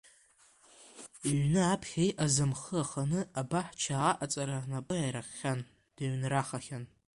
Иҩны аԥхьа иҟаз амхы аханы абаҳча аҟаҵара напы аиркхьан, дыҩнрахахьан.